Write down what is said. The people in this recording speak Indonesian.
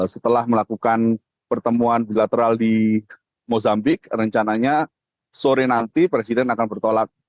setelah melakukan pertemuan bilateral di mozambik rencananya sore nanti presiden akan bertolak